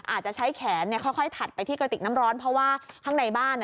อาจจะใช้แขนค่อยถัดไปที่กระติกน้ำร้อนเพราะว่าข้างในบ้าน